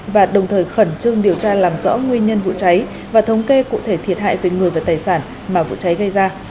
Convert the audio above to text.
và đồng thời khẩn trương điều tra làm rõ nguyên nhân vụ cháy và thống kê cụ thể thiệt hại về người và tài sản mà vụ cháy gây ra